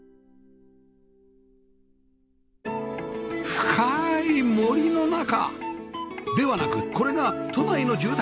深い森の中ではなくこれが都内の住宅地